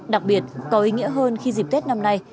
đặc biệt có ý nghĩa hơn khi dịp tết năm nay